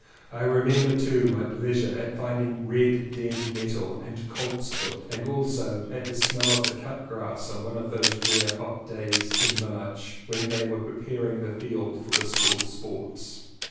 I remember too my pleasure at finding red dead nettle and colt's foot, and also at the smell of the cut grass on one of those rare hot days in March when they were pre paring the field for the School Sports.